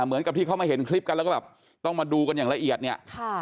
เหมือนกับที่เขามาเห็นคลิปกันแล้วก็แบบต้องมาดูกันอย่างละเอียดเนี่ย